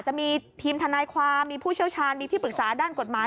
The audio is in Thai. จะมีทีมทนายความมีผู้เชี่ยวชาญมีที่ปรึกษาด้านกฎหมาย